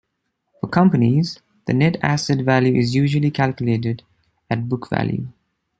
For companies, the net asset value is usually calculated at book value.